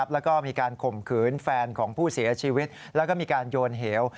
แล้วก็มีการข่มขืนแฟนของผู้เสียชีวิตแล้วก็มีการโยนเหว